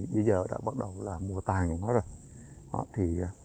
bây giờ đã bắt đầu là mùa tàn rồi